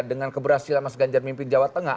dengan keberhasilan mas ganjar mimpin jawa tengah